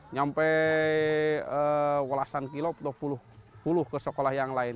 nyampe walaasan kilo puluh ke sekolah yang lain